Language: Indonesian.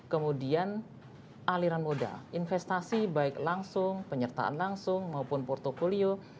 kemudian aliran moda investasi baik langsung penyertaan langsung maupun portfolio